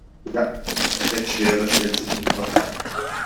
Ja, die Bettschwere stellt sich nun doch ein.